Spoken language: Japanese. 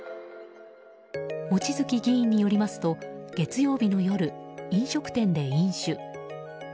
望月議員によりますと月曜日の夜、飲食店で飲酒。